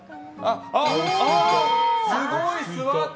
すごい、座った！